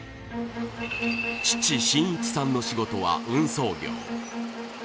父・真一さんの仕事は運送業。